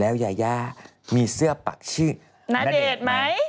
แล้วยายามีเสื้อปักชื่อณเดชน์ไหม